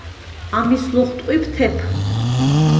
ამის ლოხტყვიბ თეფ.